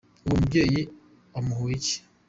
Uwo mubyeyi umuhoye iki?